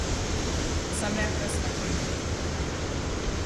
Sa mère reste inconnue.